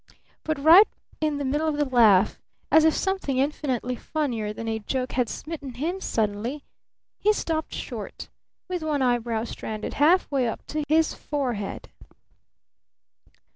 But right in the middle of the laugh as if something infinitely funnier than a joke had smitten him suddenly he stopped short, with one eyebrow stranded half way up his forehead.